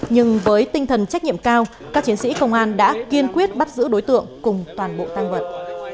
nhưng với tinh thần trách nhiệm cao các chiến sĩ công an đã kiên quyết bắt giữ đối tượng cùng toàn bộ tăng vật